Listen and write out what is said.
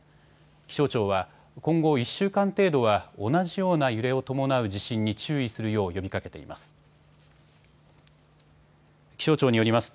気象庁は今後１週間程度は同じような揺れを伴う地震に注意するよう呼びかけています。